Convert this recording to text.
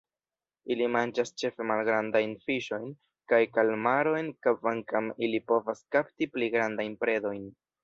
Ili manĝas ĉefe malgrandajn fiŝojn kaj kalmarojn, kvankam ili povas kapti pli grandajn predojn.